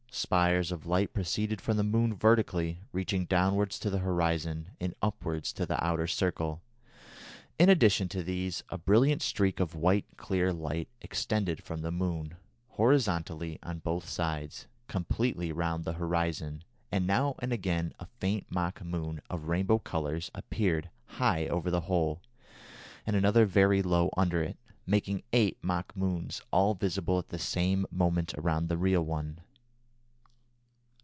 Spires of light proceeded from the moon vertically, reaching downwards to the horizon, and upwards to the outer circle. In addition to these, a brilliant streak of white clear light extended from the moon, horizontally, on both sides, completely round the horizon, and now and again a faint mock moon of rainbow colours appeared high over the whole, and another very low under it, making eight mock moons all visible at the same moment round the real one.